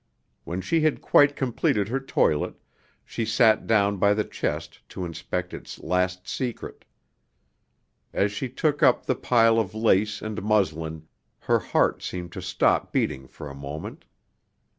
When she had quite completed her toilet, she sat down by the chest to inspect its last secret. As she took up the pile of lace and muslin, her heart seemed to stop beating for a moment.